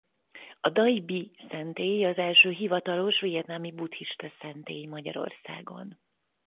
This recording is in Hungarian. A Dai Bi szentély az első hivatalos vietnámi buddhista szentély Magyarországon.